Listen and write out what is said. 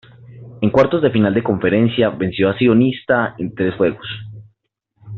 En cuartos de final de conferencia venció a Sionista en tres juegos.